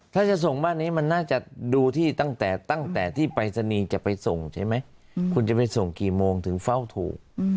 ถ้าจะส่งบ้านนี้มันน่าจะดูที่ตั้งแต่ตั้งแต่ที่ปรายศนีย์จะไปส่งใช่ไหมคุณจะไปส่งกี่โมงถึงเฝ้าถูก